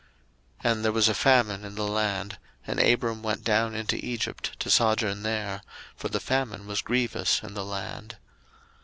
01:012:010 And there was a famine in the land: and Abram went down into Egypt to sojourn there; for the famine was grievous in the land.